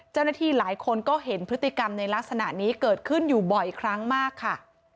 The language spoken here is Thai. เจ้าหน้าที่หลายคนก็เห็นพฤติกรรมในลักษณะนี้เกิดขึ้นอยู่บ่อยครั้งมากค่ะ